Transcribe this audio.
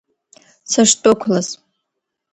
Сышдәықәлаз.